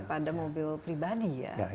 pada mobil pribadi